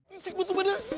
isikmu tuh pedes